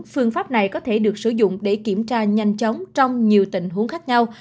phương pháp này có thể được sử dụng để kiểm tra nhanh chóng trong nhiều tình huống khác nhau